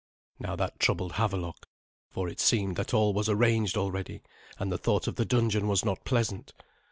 Now that troubled Havelok, for it seemed that all was arranged already, and the thought of the dungeon was not pleasant.